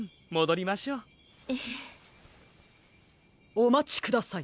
おまちください。